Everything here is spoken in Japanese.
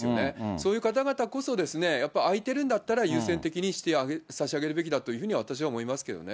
そういう方々こそ、やっぱり空いてるんだったら、優先的にして差し上げるべきだと私は思いますけれどもね。